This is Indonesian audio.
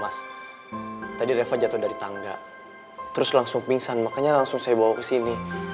mas tadi reva jatoh dari tangga terus langsung pingsan makanya langsung saya bawa kesini